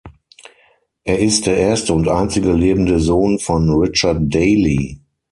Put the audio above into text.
Er ist der erste und einzige lebende Sohn von Richard Daley.